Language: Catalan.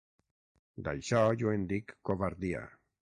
D'això, jo en dic covardia.